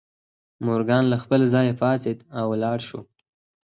مورګان له خپل ځایه پاڅېد او ولاړ شو